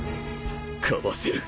かわせる。